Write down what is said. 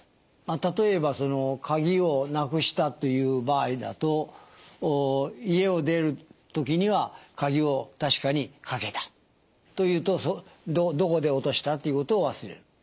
まあ例えば鍵をなくしたという場合だと家を出る時には鍵を確かにかけたというとどこで落としたということを忘れる。